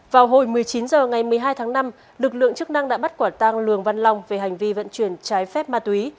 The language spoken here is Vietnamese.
vào hồi một mươi chín h ngày một mươi hai tháng năm lực lượng chức năng đã bắt quả tang lường văn long về hành vi vận chuyển trái phép ma túy